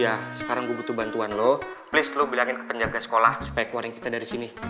ya sekarang butuh bantuan lo please lo bilangin ke penjaga sekolah supaya keluarga kita dari sini